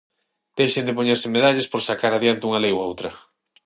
Deixen de poñerse medallas por sacar adiante unha lei ou outra.